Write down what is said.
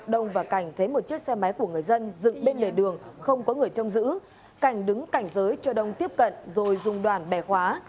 đông và cảnh thấy một chiếc xe máy của người dân dựng bên lề đường không có người trông giữ cảnh đứng cảnh giới cho đông tiếp cận rồi dùng đoàn bẻ khóa